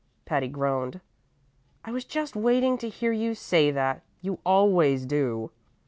Patty groaned. "I was just waiting to hear you say that! You always do."